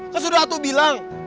kan sudah aku bilang